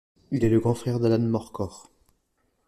Il est le grand frère d'Allan Mørkøre.